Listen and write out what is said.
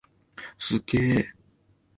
すっげー！